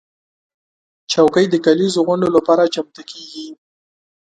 چوکۍ د کليزو غونډو لپاره چمتو کېږي.